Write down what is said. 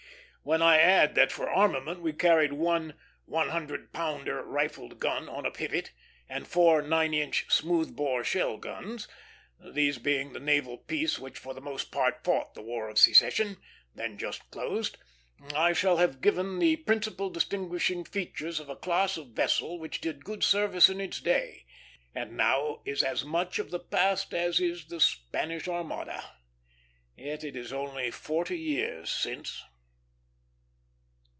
When I add that for armament we carried one 100 pounder rifled gun on a pivot, and four 9 inch smooth bore shell guns these being the naval piece which for the most part fought the War of Secession, then just closed I shall have given the principal distinguishing features of a class of vessel which did good service in its day, and is now a much of the past as is the Spanish Armada. Yet it is only forty years since.